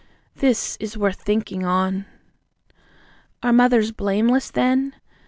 This is worth thinking on. "Are mothers blameless, then?"